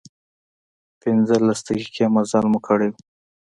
پنځلس دقيقې مزل مو کړی و.